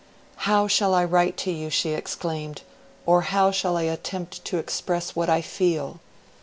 'HOW shall I write to you,' she exclaimed, 'or how shall I attempt to express WHAT I FEEL!